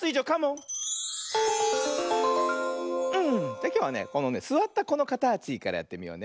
じゃきょうはねこのねすわったこのかたちからやってみようね。